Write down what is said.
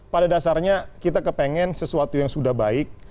pada dasarnya kita kepengen sesuatu yang sudah baik